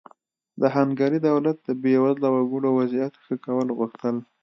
د هنګري دولت د بېوزله وګړو وضعیت ښه کول غوښتل.